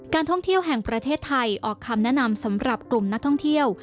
ท่องเที่ยวแห่งประเทศไทยออกคำแนะนำสำหรับกลุ่มนักท่องเที่ยว